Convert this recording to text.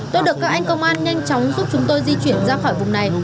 tôi được các anh công an nhanh chóng giúp chúng tôi di chuyển ra khỏi vùng này